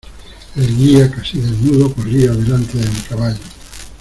el guía, casi desnudo , corría delante de mi caballo.